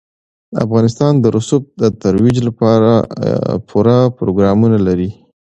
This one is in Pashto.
افغانستان د رسوب د ترویج لپاره پوره پروګرامونه لري.